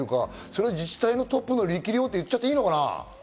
自治体のトップの力量って言っちゃっていいのかな？